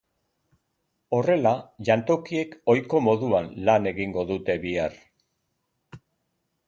Horrela, jantokiek ohiko moduan lan egingo dute bihar.